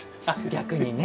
逆にね。